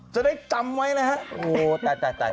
จะได้จำไว้นะฮะ